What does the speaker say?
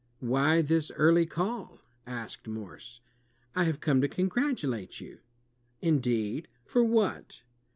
"Why this eariy call?" asked Morse. "I have come to congratulate you." "Indeed, for what?"